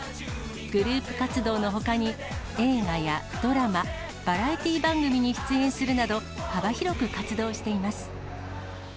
グループ活動のほかに、映画やドラマ、バラエティー番組に出演するなど、幅広く活動しています。